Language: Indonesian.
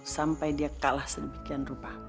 sampai dia kalah sedemikian rupa